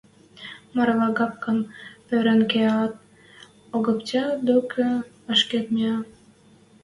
Марлагапкам пырен кеӓӓт, Огаптя докы ашкед миӓ.